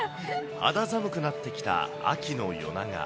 肌寒くなってきた秋の夜長。